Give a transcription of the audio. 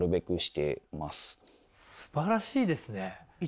すばらしいですね！